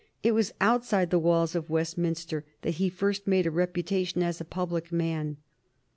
It was outside the walls of Westminster that he first made a reputation as a public man.